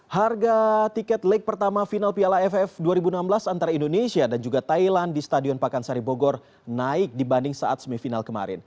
harga tiket leg pertama final piala ff dua ribu enam belas antara indonesia dan juga thailand di stadion pakansari bogor naik dibanding saat semifinal kemarin